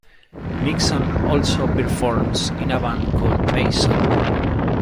Nixon also performs in a band called Mason.